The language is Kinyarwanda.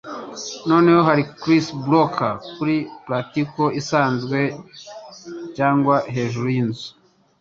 Noneho hari Chris Brooke kuri portico isanzwe cyangwa hejuru yinzu.